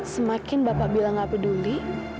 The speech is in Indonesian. semakin bapak bilang gak peduli